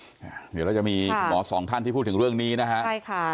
เดี๋ยวเราจะมีคุณหมอสองท่านที่พูดถึงเรื่องนี้นะฮะใช่ค่ะ